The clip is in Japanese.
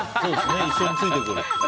一緒についてくる。